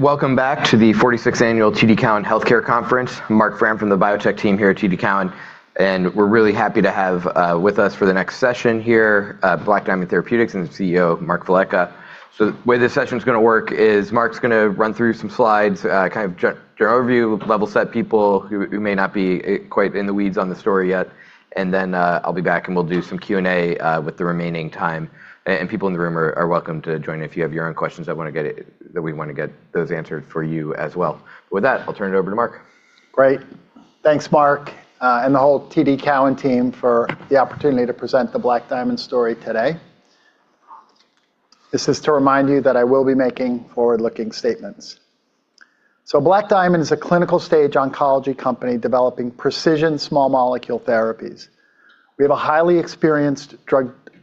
Welcome back to the 46th annual TD Cowen Healthcare Conference. Marc Frahm from the biotech team here at TD Cowen, and we're really happy to have with us for the next session here, Black Diamond Therapeutics and the CEO, Mark Velleca. The way this session's gonna work is Mark's gonna run through some slides, kind of general overview, level set people who may not be quite in the weeds on the story yet, and then I'll be back, and we'll do some Q&A with the remaining time. And people in the room are welcome to join if you have your own questions that we wanna get those answered for you as well. With that, I'll turn it over to Mark. Great. Thanks, Marc, and the whole TD Cowen team for the opportunity to present the Black Diamond story today. This is to remind you that I will be making forward-looking statements. Black Diamond is a clinical stage oncology company developing precision small molecule therapies. We have a highly experienced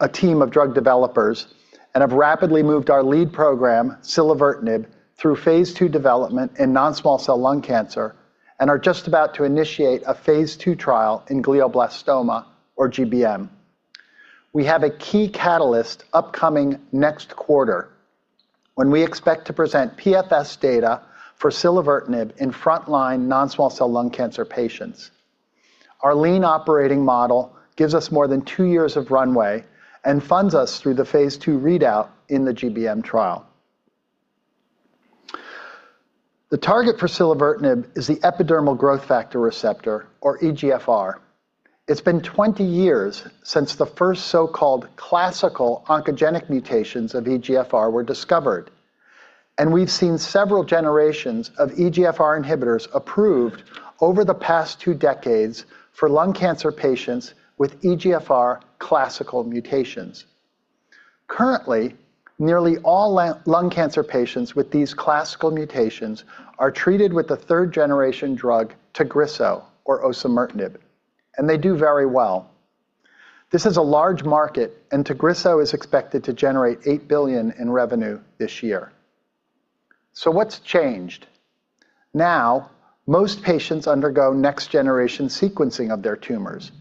team of drug developers and have rapidly moved our lead program, silevertinib, through phase 2 development in non-small cell lung cancer and are just about to initiate a phase 2 trial in glioblastoma, or GBM. We have a key catalyst upcoming next quarter when we expect to present PFS data for silevertinib in frontline non-small cell lung cancer patients. Our lean operating model gives us more than 2 years of runway and funds us through the phase 2 readout in the GBM trial. The target for silevertinib is the epidermal growth factor receptor, or EGFR. It's been 20 years since the first so-called classical oncogenic mutations of EGFR were discovered, we've seen several generations of EGFR inhibitors approved over the past two decades for lung cancer patients with EGFR classical mutations. Currently, nearly all lung cancer patients with these classical mutations are treated with the third-generation drug Tagrisso, or osimertinib, they do very well. This is a large market, Tagrisso is expected to generate $8 billion in revenue this year. What's changed? Now, most patients undergo next-generation sequencing of their tumors,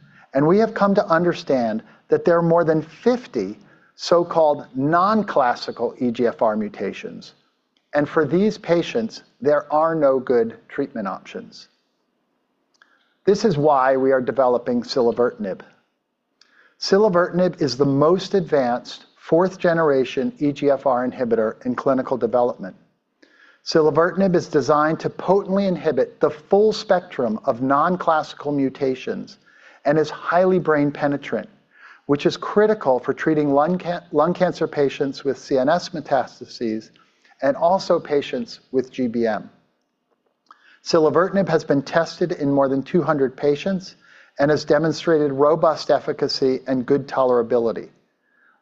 we have come to understand that there are more than 50 so-called non-classical EGFR mutations, for these patients, there are no good treatment options. This is why we are developing silevertinib. Silevertinib is the most advanced fourth-generation EGFR inhibitor in clinical development. silevertinib is designed to potently inhibit the full spectrum of non-classical mutations and is highly brain penetrant, which is critical for treating lung cancer patients with CNS metastases and also patients with GBM. silevertinib has been tested in more than 200 patients and has demonstrated robust efficacy and good tolerability.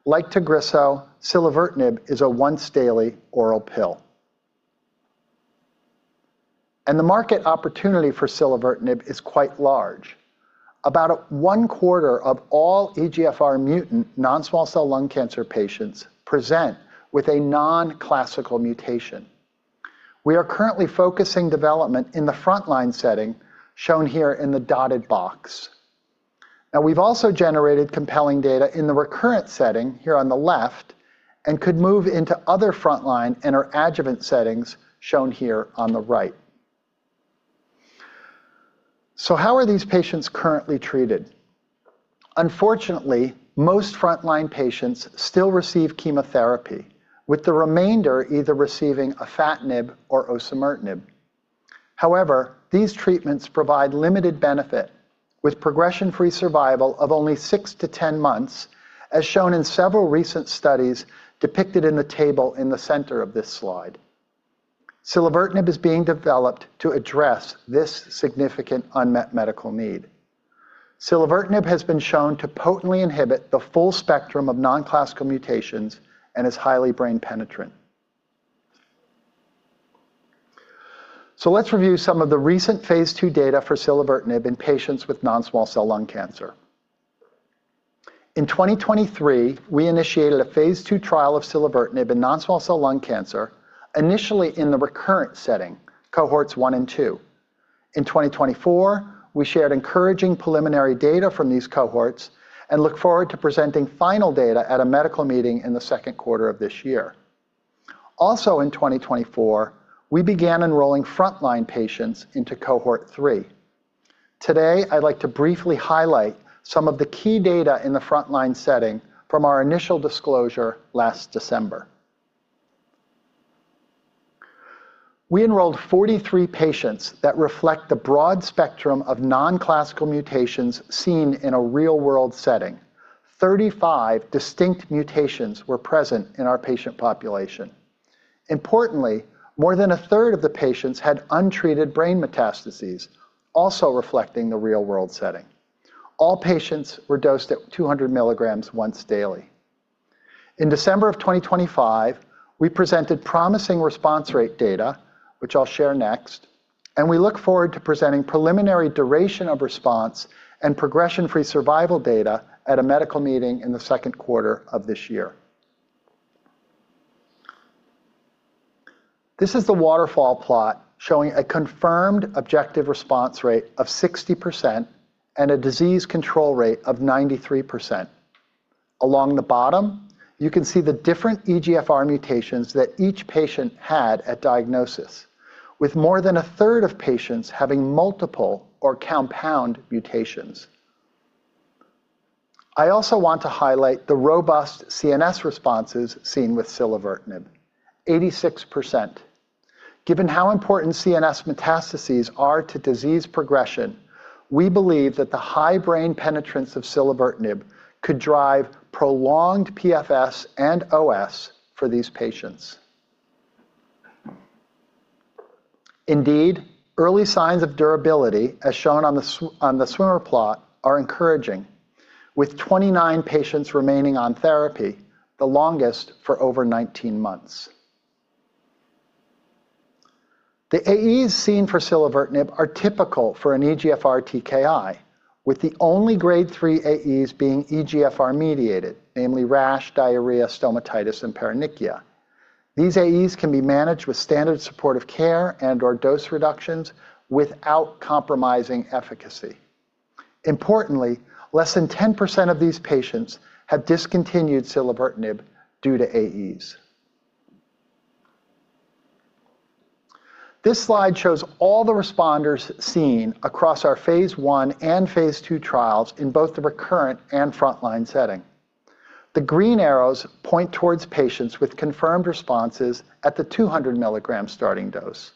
Like Tagrisso, silevertinib is a once-daily oral pill. The market opportunity for silevertinib is quite large. About 1/4 of all EGFR mutant non-small cell lung cancer patients present with a non-classical mutation. We are currently focusing development in the frontline setting, shown here in the dotted box. We've also generated compelling data in the recurrent setting, here on the left, and could move into other frontline and/or adjuvant settings, shown here on the right. How are these patients currently treated? Unfortunately, most frontline patients still receive chemotherapy, with the remainder either receiving afatinib or osimertinib. These treatments provide limited benefit, with progression-free survival of only six to 10 months, as shown in several recent studies depicted in the table in the center of this slide. silevertinib is being developed to address this significant unmet medical need. silevertinib has been shown to potently inhibit the full spectrum of non-classical mutations and is highly brain penetrant. Let's review some of the recent phase 2 data for silevertinib in patients with non-small cell lung cancer. In 2023, we initiated a phase 2 trial of silevertinib in non-small cell lung cancer, initially in the recurrent setting, cohorts 1 and 2. In 2024, we shared encouraging preliminary data from these cohorts and look forward to presenting final data at a medical meeting in the second quarter of this year. In 2024, we began enrolling frontline patients into cohort 3. Today, I'd like to briefly highlight some of the key data in the frontline setting from our initial disclosure last December. We enrolled 43 patients that reflect the broad spectrum of non-classical mutations seen in a real-world setting. 35 distinct mutations were present in our patient population. Importantly, more than a third of the patients had untreated brain metastases, also reflecting the real-world setting. All patients were dosed at 200 milligrams once daily. In December of 2025, we presented promising response rate data, which I'll share next, and we look forward to presenting preliminary duration of response and progression-free survival data at a medical meeting in the second quarter of this year. This is the waterfall plot showing a confirmed objective response rate of 60% and a disease control rate of 93%. Along the bottom, you can see the different EGFR mutations that each patient had at diagnosis, with more than 1/3 of patients having multiple or compound mutations. I also want to highlight the robust CNS responses seen with silevertinib: 86%. Given how important CNS metastases are to disease progression, we believe that the high brain penetrance of silevertinib could drive prolonged PFS and OS for these patients. Indeed, early signs of durability, as shown on the swimmer plot, are encouraging, with 29 patients remaining on therapy, the longest for over 19 months. The AEs seen for silevertinib are typical for an EGFR TKI, with the only grade III AEs being EGFR-mediated, namely rash, diarrhea, stomatitis, and paronychia. These AEs can be managed with standard supportive care and/or dose reductions without compromising efficacy. Importantly, less than 10% of these patients have discontinued silevertinib due to AEs. This slide shows all the responders seen across our phase 1 and phase 2 trials in both the recurrent and frontline setting. The green arrows point towards patients with confirmed responses at the 200-milligram starting dose,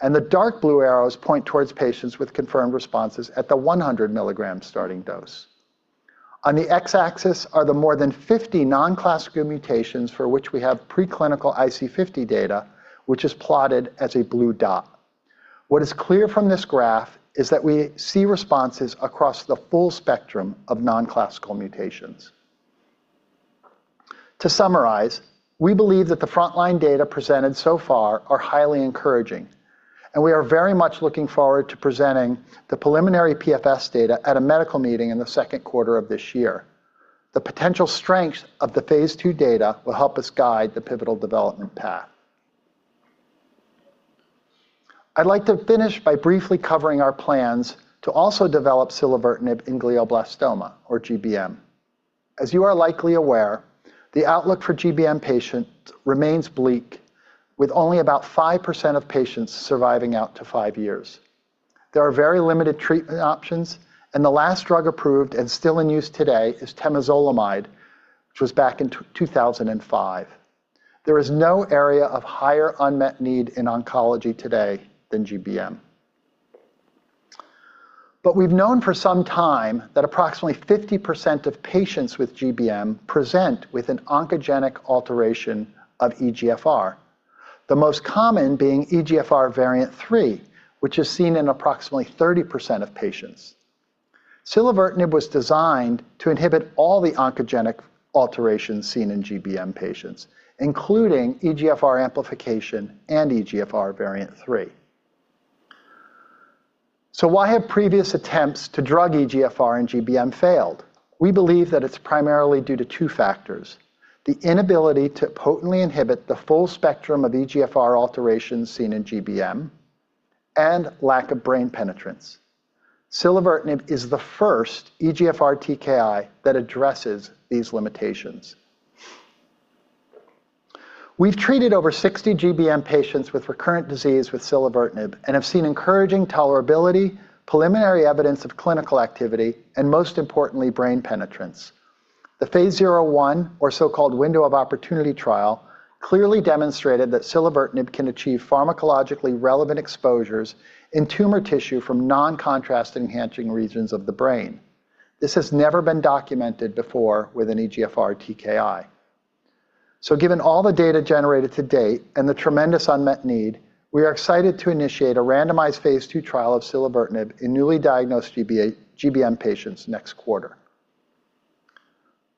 and the dark blue arrows point towards patients with confirmed responses at the 100-milligram starting dose. On the X-axis are the more than 50 non-classical mutations for which we have preclinical IC50 data, which is plotted as a blue dot. What is clear from this graph is that we see responses across the full spectrum of non-classical mutations. To summarize, we believe that the frontline data presented so far are highly encouraging, and we are very much looking forward to presenting the preliminary PFS data at a medical meeting in the second quarter of this year. The potential strength of the phase two data will help us guide the pivotal development path. I'd like to finish by briefly covering our plans to also develop silevertinib in glioblastoma or GBM. As you are likely aware, the outlook for GBM patients remains bleak, with only about 5% of patients surviving out to five years. There are very limited treatment options, and the last drug approved and still in use today is temozolomide, which was back in 2005. There is no area of higher unmet need in oncology today than GBM. We've known for some time that approximately 50% of patients with GBM present with an oncogenic alteration of EGFR, the most common being EGFR variant III, which is seen in approximately 30% of patients. silevertinib was designed to inhibit all the oncogenic alterations seen in GBM patients, including EGFR amplification and EGFR variant III. Why have previous attempts to drug EGFR and GBM failed? We believe that it's primarily due to two factors: the inability to potently inhibit the full spectrum of EGFR alterations seen in GBM and lack of brain penetrance. silevertinib is the first EGFR TKI that addresses these limitations. We've treated over 60 GBM patients with recurrent disease with silevertinib and have seen encouraging tolerability, preliminary evidence of clinical activity, and most importantly, brain penetrance. The phase one, or so-called window of opportunity trial, clearly demonstrated that silevertinib can achieve pharmacologically relevant exposures in tumor tissue from non-contrast-enhancing regions of the brain. This has never been documented before with an EGFR TKI. Given all the data generated to date and the tremendous unmet need, we are excited to initiate a randomized phase two trial of silevertinib in newly diagnosed GBM patients next quarter.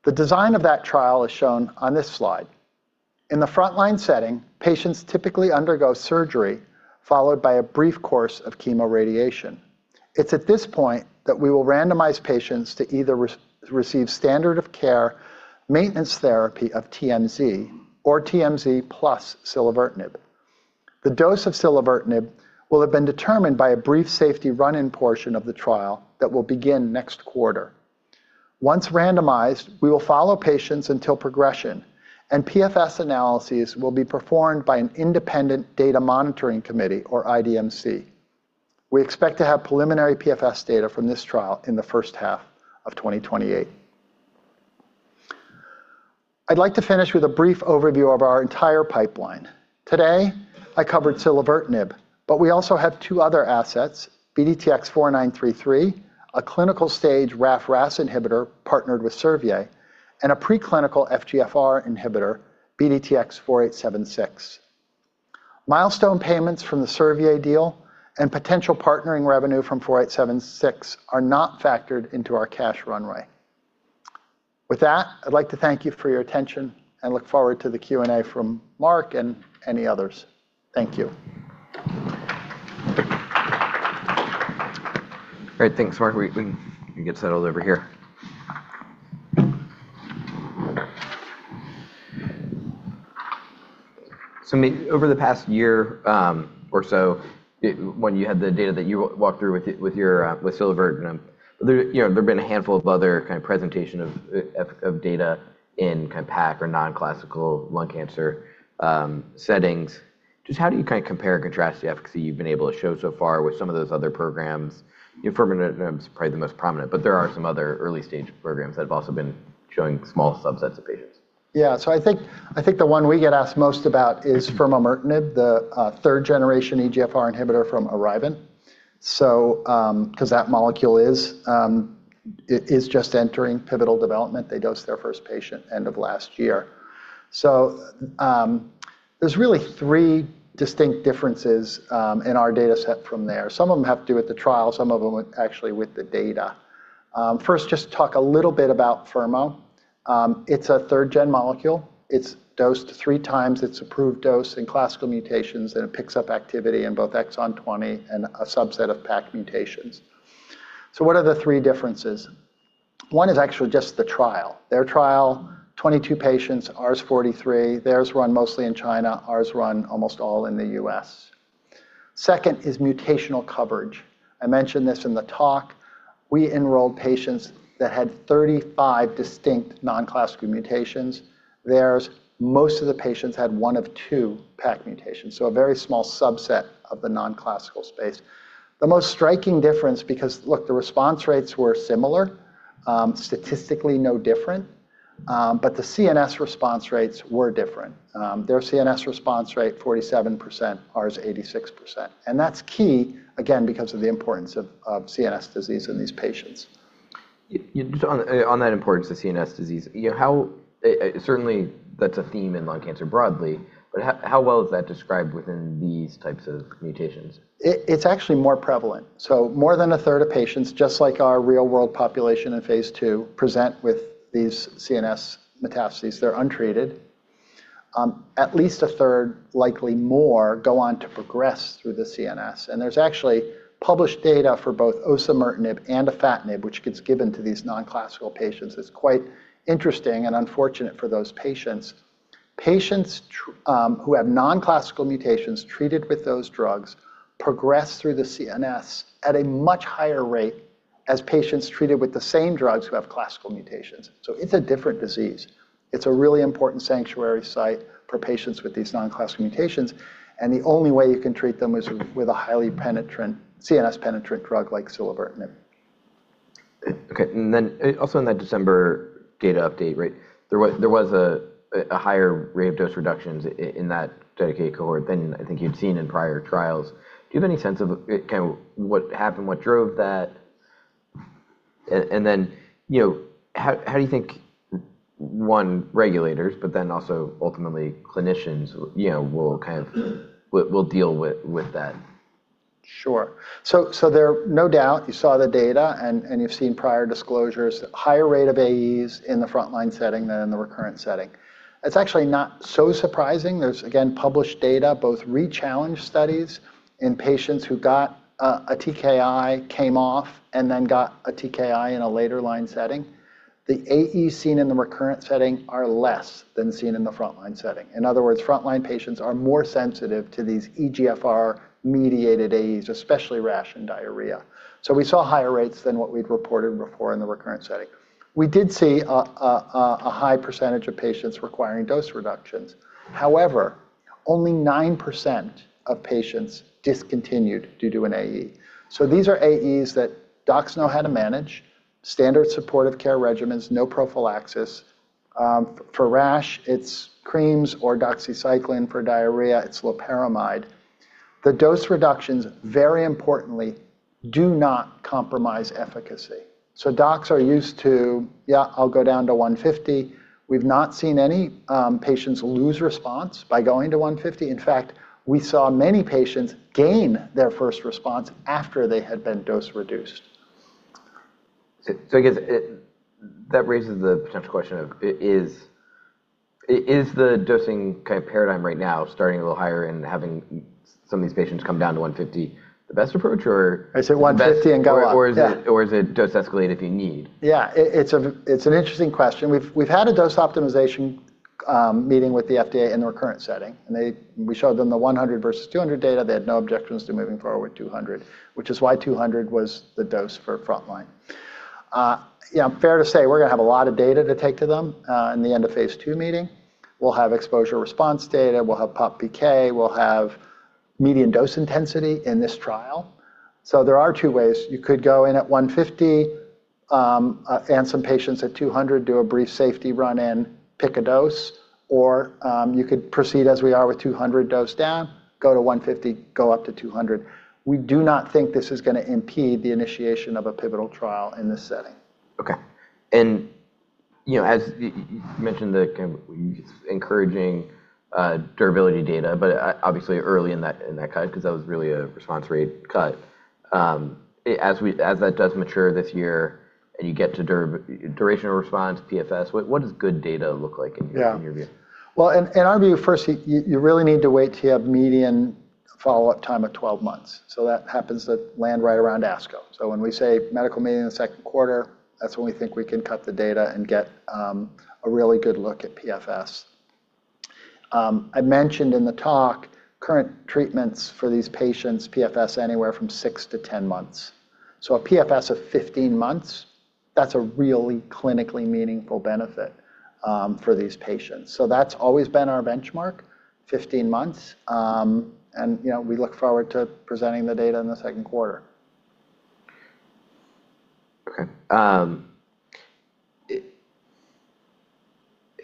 The design of that trial is shown on this slide. In the frontline setting, patients typically undergo surgery followed by a brief course of chemoradiation. It's at this point that we will randomize patients to either re-receive standard of care maintenance therapy of TMZ or TMZ plus silevertinib. The dose of silevertinib will have been determined by a brief safety run-in portion of the trial that will begin next quarter. Once randomized, we will follow patients until progression, and PFS analyses will be performed by an independent data monitoring committee or IDMC. We expect to have preliminary PFS data from this trial in the first half of 2028. I'd like to finish with a brief overview of our entire pipeline. Today, I covered silevertinib, but we also have two other assets, BDTX-4933, a clinical-stage Ras/Raf inhibitor partnered with Servier, and a preclinical FGFR inhibitor, BDTX-4876. Milestone payments from the Servier deal and potential partnering revenue from 4876 are not factored into our cash runway. With that, I'd like to thank you for your attention and look forward to the Q&A from Marc Frahm and any others. Thank you. All right. Thanks, Mark. We can get settled over here. Over the past year, or so when you had the data that you walked through with your, with silevertinib, there, you know, there have been a handful of other kind of presentation of data in kind of PAC or non-classical lung cancer settings. Just how do you kind of compare and contrast the efficacy you've been able to show so far with some of those other programs? Furmonertinib's probably the most prominent, but there are some other early stage programs that have also been showing small subsets of patients. Yeah. I think, I think the one we get asked most about is Furmonertinib, the third-generation EGFR inhibitor from ArriVent, 'cause that molecule is, it is just entering pivotal development. They dosed their first patient end of last year. There's really three distinct differences in our data set from there. Some of them have to do with the trial, some of them with actually with the data. First, just talk a little bit about fermo. It's a third-gen molecule. It's dosed three times its approved dose in classical mutations, and it picks up activity in both Exon 20 and a subset of PACC mutations. What are the three differences? One is actually just the trial. Their trial, 22 patients, ours 43. Theirs run mostly in China, ours run almost all in the U.S. Second is mutational coverage. I mentioned this in the talk. We enrolled patients that had 35 distinct non-classical mutations. Theirs, most of the patients had one of two PACC mutations, so a very small subset of the non-classical space. The most striking difference because, look, the response rates were similar, statistically no different, but the CNS response rates were different. Their CNS response rate 47%, ours 86%. That's key again because of the importance of CNS disease in these patients. Just on that importance to CNS disease, you know, certainly that's a theme in lung cancer broadly, but how well is that described within these types of mutations? It's actually more prevalent. More than a third of patients, just like our real world population in phase 2, present with these CNS metastases. They're untreated. At least a third, likely more, go on to progress through the CNS. There's actually published data for both osimertinib and afatinib, which gets given to these non-classical patients. It's quite interesting and unfortunate for those patients. Patients who have non-classical mutations treated with those drugs progress through the CNS at a much higher rate as patients treated with the same drugs who have classical mutations. It's a different disease. It's a really important sanctuary site for patients with these non-classical mutations, the only way you can treat them is with a highly CNS penetrant drug like silevertinib. Okay. Also in that December data update, right, there was a higher rate of dose reductions in that dedicated cohort than I think you'd seen in prior trials. Do you have any sense of kind of what happened, what drove that? Then, you know, how do you think, one, regulators, but then also ultimately clinicians, you know, will deal with that? There-- no doubt you saw the data and you've seen prior disclosures, higher rate of AEs in the frontline setting than in the recurrent setting. It's actually not so surprising. There's, again, published data, both rechallenged studies in patients who got a TKI, came off and then got a TKI in a later line setting. The AE seen in the recurrent setting are less than seen in the frontline setting. In other words, frontline patients are more sensitive to these EGFR mediated AEs, especially rash and diarrhea. We saw higher rates than what we'd reported before in the recurrent setting. We did see a high percentage of patients requiring dose reductions. However, only 9% of patients discontinued due to an AE. These are AEs that docs know how to manage. Standard supportive care regimens, no prophylaxis. For rash it's creams or doxycycline. For diarrhea, it's loperamide. The dose reductions, very importantly, do not compromise efficacy. Docs are used to, "Yeah, I'll go down to 150." We've not seen any patients lose response by going to 150. In fact, we saw many patients gain their first response after they had been dose reduced. I guess that raises the potential question of is the dosing kind of paradigm right now starting a little higher and having some of these patients come down to 150 the best approach or-? I say $150 and go up. Yeah.... or is it dose escalate if you need? It, it's a, it's an interesting question. We've, we've had a dose optimization meeting with the FDA in the recurrent setting, we showed them the 100 versus 200 data. They had no objections to moving forward with 200, which is why 200 was the dose for frontline. Yeah, fair to say we're gonna have a lot of data to take to them in the end of phase 2 meeting. We'll have exposure response data. We'll have PopPK. We'll have median dose intensity in this trial. There are two ways. You could go in at 150, and some patients at 200 do a brief safety run and pick a dose. You could proceed as we are with 200 dose down, go to 150, go up to 200. We do not think this is gonna impede the initiation of a pivotal trial in this setting. Okay. You know, as you mentioned the kind of encouraging durability data, but obviously early in that, in that cut 'cause that was really a response rate cut. As that does mature this year and you get to duration of response, PFS, what does good data look like in your? Yeah in your view? Well, in our view, first you really need to wait till you have median follow-up time of 12 months. That happens to land right around ASCO. When we say medical meeting in the second quarter, that's when we think we can cut the data and get a really good look at PFS. I mentioned in the talk current treatments for these patients, PFS anywhere from 6 to 10 months. A PFS of 15 months, that's a really clinically meaningful benefit for these patients. That's always been our benchmark, 15 months, and, you know, we look forward to presenting the data in the second quarter.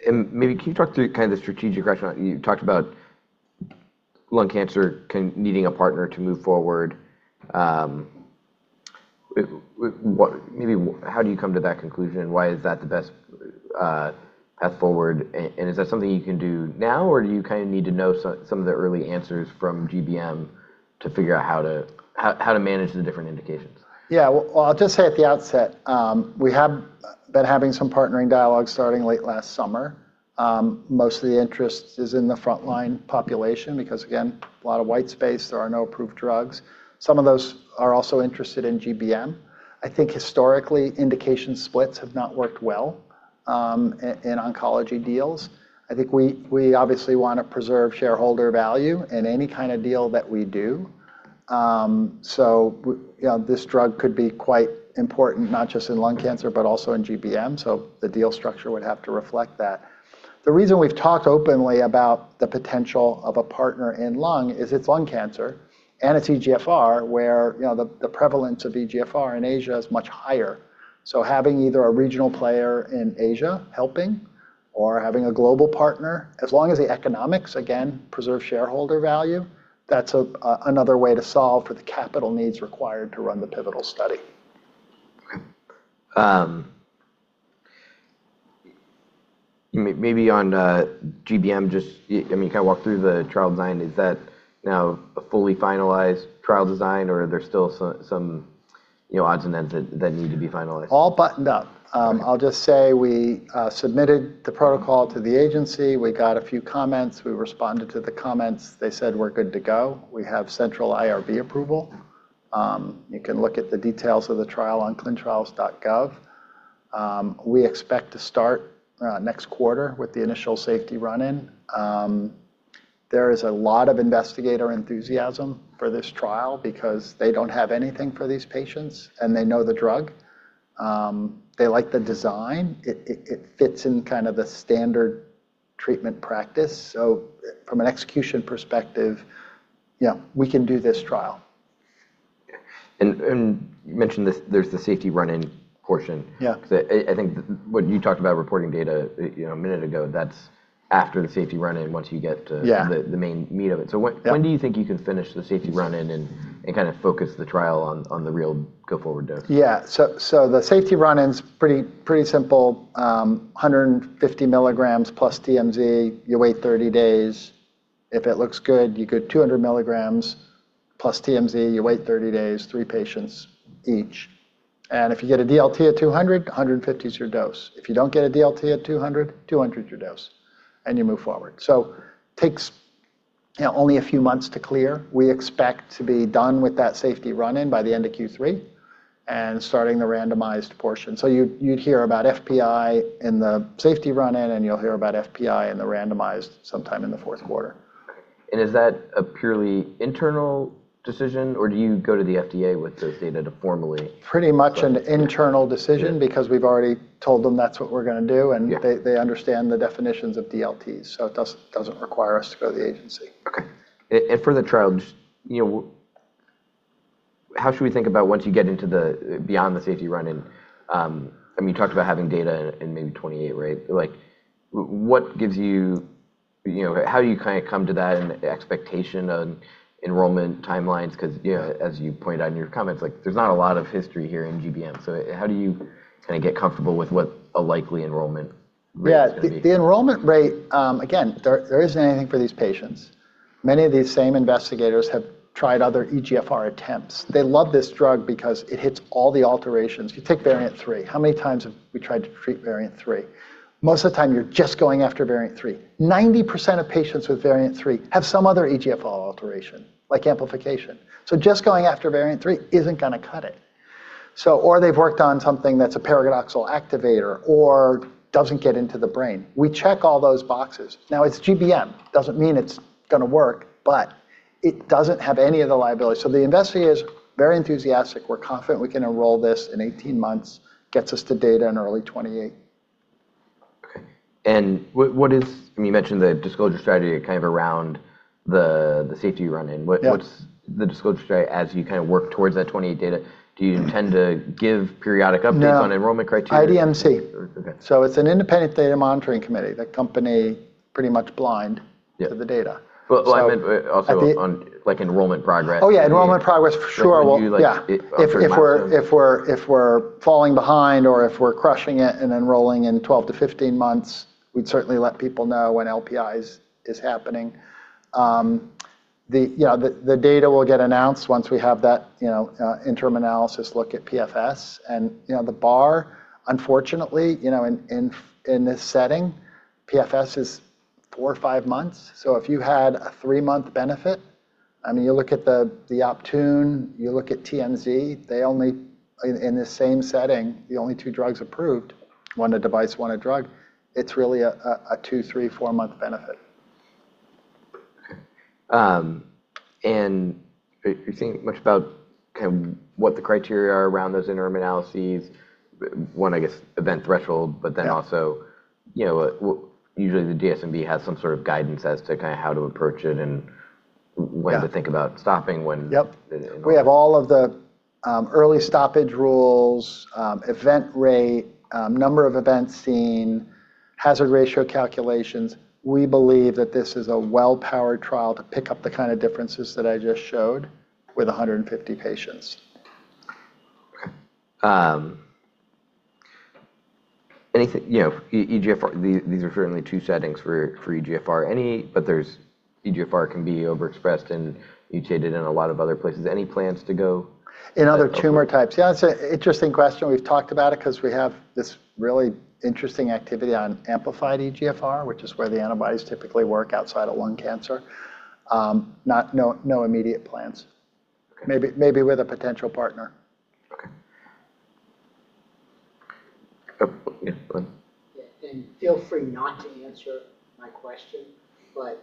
Okay. Maybe can you talk through kind of the strategic rationale? You talked about lung cancer needing a partner to move forward. Maybe how do you come to that conclusion? Why is that the best path forward? Is that something you can do now, or do you kinda need to know some of the early answers from GBM to figure out how to manage the different indications? Yeah. Well, I'll just say at the outset, we have been having some partnering dialogue starting late last summer. Most of the interest is in the frontline population because, again, a lot of white space, there are no approved drugs. Some of those are also interested in GBM. I think historically, indication splits have not worked well in oncology deals. I think we obviously wanna preserve shareholder value in any kind of deal that we do. You know, this drug could be quite important, not just in lung cancer, but also in GBM, so the deal structure would have to reflect that. The reason we've talked openly about the potential of a partner in lung is it's lung cancer and it's EGFR where, you know, the prevalence of EGFR in Asia is much higher. Having either a regional player in Asia helping or having a global partner, as long as the economics, again, preserve shareholder value, that's another way to solve for the capital needs required to run the pivotal study. Okay. Maybe on GBM, just I mean, can you walk through the trial design? Is that now a fully finalized trial design, or are there still some, you know, odds and ends that need to be finalized? All buttoned up. Okay. I'll just say we submitted the protocol to the agency. We got a few comments. We responded to the comments. They said we're good to go. We have central IRB approval. You can look at the details of the trial on ClinicalTrials.gov. We expect to start next quarter with the initial safety run-in. There is a lot of investigator enthusiasm for this trial because they don't have anything for these patients, and they know the drug. They like the design. It fits in kind of the standard treatment practice. From an execution perspective, yeah, we can do this trial. You mentioned this, there's the safety run-in portion. Yeah. I think what you talked about reporting data, you know, a minute ago, that's after the safety run-in once you get to. Yeah the main meat of it. Yeah. When do you think you can finish the safety run-in and kind of focus the trial on the real go-forward dose? Yeah. The safety run-in's pretty simple. 150 milligrams plus TMZ. You wait 30 days. If it looks good, you go 200 milligrams plus TMZ. You wait 30 days, three patients each. If you get a DLT at 200, 150 is your dose. If you don't get a DLT at 200 is your dose, and you move forward. Takes, you know, only a few months to clear. We expect to be done with that safety run-in by the end of Q3 and starting the randomized portion. You'd hear about FPI in the safety run-in, and you'll hear about FPI in the randomized sometime in the fourth quarter. Okay. Is that a purely internal decision, or do you go to the FDA with those data? Pretty much an internal decision because we've already told them that's what we're gonna do. Yeah. They understand the definitions of DLTs, so it doesn't require us to go to the agency. Okay. For the trial, just, you know, how should we think about once you get into beyond the safety run-in? I mean, you talked about having data in maybe 2028, right? Like, what gives you know... How do you kinda come to that expectation on enrollment timelines? 'Cause, you know, as you pointed out in your comments, like, there's not a lot of history here in GBM. How do you kinda get comfortable with what a likely enrollment rate is gonna be? The enrollment rate, again, there isn't anything for these patients. Many of these same investigators have tried other EGFR attempts. They love this drug because it hits all the alterations. If you take EGFR variant III, how many times have we tried to treat EGFR variant III? Most of the time, you're just going after EGFR variant III. 90% of patients with EGFR variant III have some other EGFR alteration, like amplification. Just going after EGFR variant III isn't gonna cut it. They've worked on something that's a paradoxical activator or doesn't get into the brain. We check all those boxes. It's GBM. Doesn't mean it's gonna work, but it doesn't have any of the liability. The investigator is very enthusiastic. We're confident we can enroll this in 18 months, gets us to data in early 2028. Okay. What is... You mentioned the disclosure strategy kind of around the safety run-in. Yeah. What's the disclosure strategy as you kind of work towards that 2028 data? Do you intend to give periodic updates? No on enrollment criteria? IDMC. Okay. It's an independent data monitoring committee, the company pretty much. Yeah... to the data. Like, I mean, but also on, like, enrollment progress. Oh, yeah. Enrollment progress, for sure. Like, would you, like, if. Well, yeah. If we're falling behind or if we're crushing it and enrolling in 12 to 15 months, we'd certainly let people know when LPI is happening. You know, the data will get announced once we have that, you know, interim analysis look at PFS. You know, the bar, unfortunately, you know, in this setting, PFS is four or five months. If you had a three-month benefit, I mean, you look at the Optune, you look at TMZ, they only in the same setting, the only two drugs approved, one a device, one a drug, it's really a two, three, four-month benefit. Okay. Have you thought much about kind of what the criteria are around those interim analyses? One, I guess event threshold-? Yeah Also, you know, usually the DSMB has some sort of guidance as to kind of how to approach it and when. Yeah... to think about stopping. Yep... and- We have all of the, early stoppage rules, event rate, number of events seen, hazard ratio calculations. We believe that this is a well-powered trial to pick up the kind of differences that I just showed with 150 patients. Okay. anything... You know, EGFR, these are certainly two settings for EGFR. EGFR can be overexpressed and mutated in a lot of other places. Any plans to go- In other tumor types? Okay. It's a interesting question. We've talked about it 'cause we have this really interesting activity on amplified EGFR, which is where the antibodies typically work outside of lung cancer. No immediate plans. Okay. Maybe with a potential partner. Okay. Yeah, go ahead. Feel free not to answer my question, but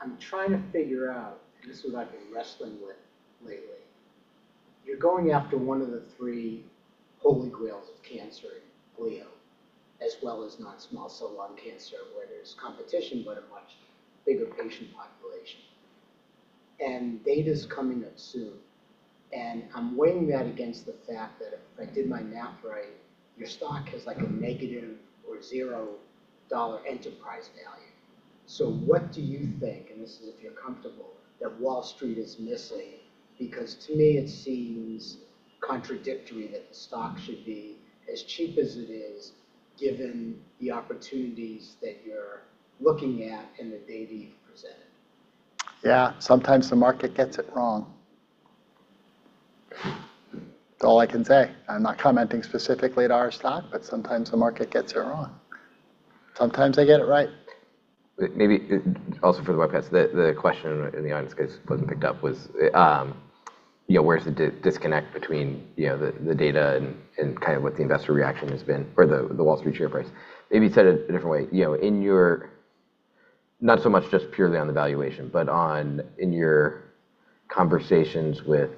I'm trying to figure out, and this is what I've been wrestling with lately, you're going after one of the three holy grails of cancer in glio, as well as non-small cell lung cancer, where there's competition, but a much bigger patient population. Data's coming up soon, and I'm weighing that against the fact that if I did my math right, your stock has, like, a negative or $0 enterprise value. What do you think, and this is if you're comfortable, that Wall Street is missing? To me it seems contradictory that the stock should be as cheap as it is given the opportunities that you're looking at in the data you've presented. Yeah. Sometimes the market gets it wrong. That's all I can say. I'm not commenting specifically to our stock, but sometimes the market gets it wrong. Sometimes they get it right. Maybe also for the webcast, the question in the audience, in case it wasn't picked up, was, you know, where's the disconnect between, you know, the data and kind of what the investor reaction has been or the Wall Street share price? Maybe to say it a different way. You know, in your conversations with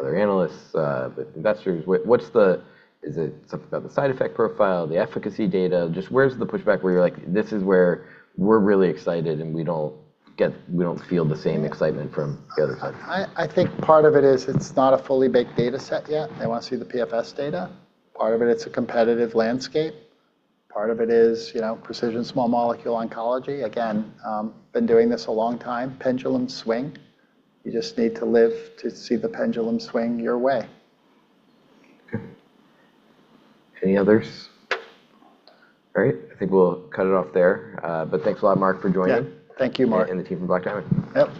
other analysts, with investors, what's the... Is it something about the side effect profile, the efficacy data? Just where's the pushback where you're like, "This is where we're really excited, and we don't feel the same excitement from the other side? I think part of it is it's not a fully baked data set yet. They wanna see the PFS data. Part of it's a competitive landscape. Part of it is, you know, precision small molecule oncology. Again, been doing this a long time. Pendulums swing. You just need to live to see the pendulum swing your way. Okay. Any others? All right, I think we'll cut it off there. Thanks a lot, Mark, for joining. Yeah. Thank you, Marc. The team from Black Diamond. Yep.